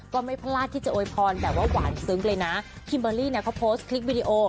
ก็ไม่พลาดที่จะโวยพรแบบว่าหวานซึ้งเลยนะคิมเบอร์รี่เนี่ยเขาโพสต์คลิปวิดีโอ